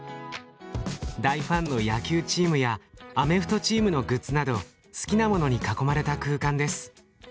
大ファンの野球チームやアメフトチームのグッズなど好きなものに囲まれた空間です。